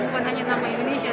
bukan hanya nama indonesia